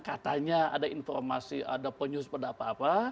katanya ada informasi ada penyusupan